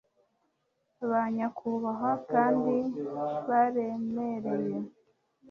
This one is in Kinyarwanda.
ba nyakubahwa kandi baremereye